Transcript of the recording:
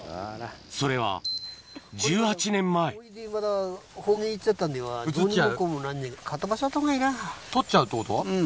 それは１８年前取っちゃうってこと？